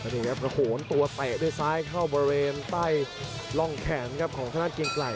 นี่ครับแล้วโหนตัวเตะด้วยซ้ายเข้าบริเวณใต้ร่องแขนครับของทางด้านเกียงไกล